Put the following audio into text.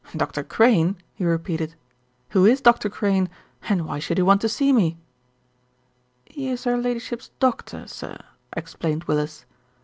"Dr. Crane !" he repeated. "Who is Dr. Crane and why should he want to see me?" "He is her Ladyship's doctor, sir," explained Willis.